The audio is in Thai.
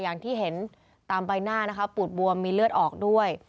อย่างที่เห็นตามใบหน้านะคะปูดบวมมีเลือดออกด้วย